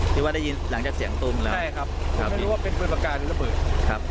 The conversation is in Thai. ที่ว่าได้ยินหลังจากเสียงตุมแล้วใช่ครับครับไม่รู้ว่าเป็นปืนปากกาหรือระเบิดครับ